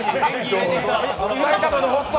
「埼玉のホスト」！